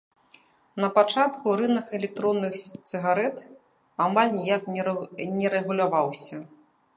Напачатку рынак электронных цыгарэт амаль ніяк не рэгуляваўся.